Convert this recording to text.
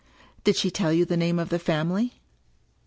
" Did she tell you the name of the family?